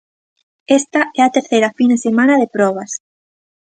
Esta é a terceira fin de semana de probas.